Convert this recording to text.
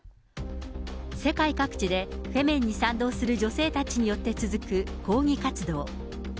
世界各地でフェメンに賛同する女性たちによって続く抗議活動。